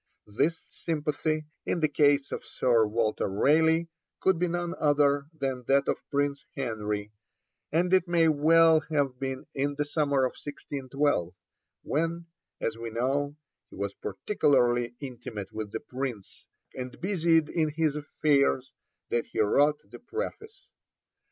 This sympathy, in the case of Sir Walter Raleigh, could be none other than that of Prince Henry; and it may well have been in the summer of 1612, when, as we know, he was particularly intimate with the Prince and busied in his affairs, that he wrote the Preface.